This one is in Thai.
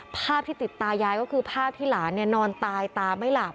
ภาพที่ติดตายายก็คือภาพที่หลานนอนตายตาไม่หลับ